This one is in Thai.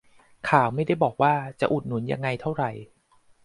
ข่าวไม่ได้บอกว่าจะอุดหนุนยังไงเท่าไร